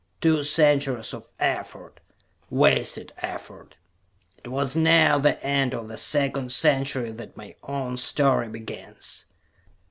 Two centuries of effort wasted effort. It was near the end of the second century that my own story begins.